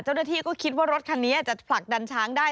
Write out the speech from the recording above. จ้าพี่ก็คิดว่ารถคันนี้จะได้ปรักดันช้างได้